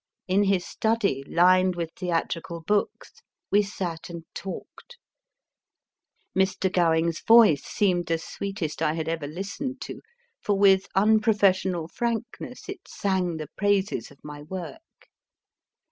In his stud} , lined with theatrical books, we sat and talked. Mr. Gowing s voice seemed the sweetest I had ever listened to, for, with unprofessional frankness, it sang the praises of my work.